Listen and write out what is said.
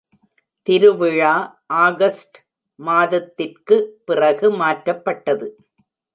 திருவிழா ஆகஸ்ட் மாதத்திற்க்கு பிறகு மாற்றப்பட்டது.